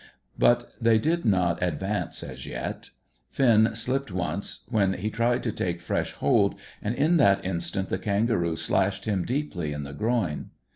But they did not advance as yet. Finn slipped once, when he tried to take fresh hold, and in that instant the kangaroo slashed him deeply in the groin.